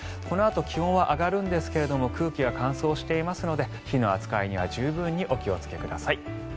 このあと気温は上がるんですけれど空気が乾燥していますので火の扱いには十分にお気をつけください。